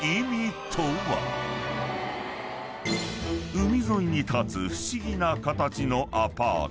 ［海沿いに立つ不思議な形のアパート］